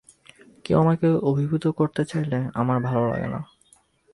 কেউ আমাকে অভিভূত করতে চাইলে আমার ভাল লাগে না।